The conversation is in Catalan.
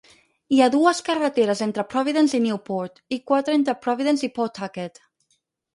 Hi ha dues carreteres entre Providence i Newport, i quatre entre Providence i Pawtucket.